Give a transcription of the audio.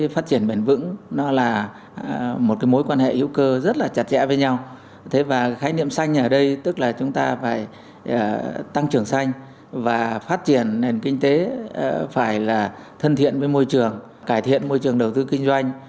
phát triển nền kinh tế phải là thân thiện với môi trường cải thiện môi trường đầu tư kinh doanh